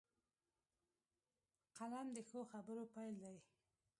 قلم د ښو خبرو پيل دی